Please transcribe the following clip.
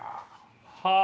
はあ！